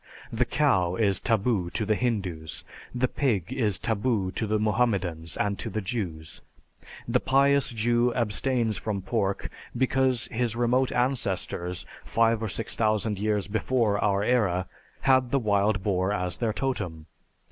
The cow is taboo to the Hindus, the pig is taboo to the Mohammedans and to the Jews. The pious Jew abstains from pork because his remote ancestors, five or six thousand years before our era, had the wild boar as their totem.